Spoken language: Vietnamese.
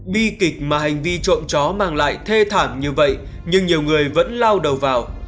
bi kịch mà hành vi trộm chó mang lại thê thảm như vậy nhưng nhiều người vẫn lao đầu vào